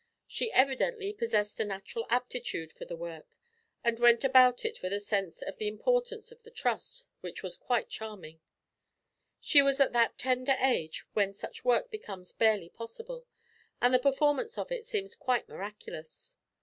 She evidently possessed a natural aptitude for the work, and went about it with a sense of the importance of the trust that was quite charming. She was at that tender age when such work becomes barely possible, and the performance of it seems quite miraculous!